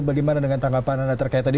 bagaimana dengan tanggapan anda terkait tadi